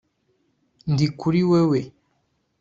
Ndi kuri wewe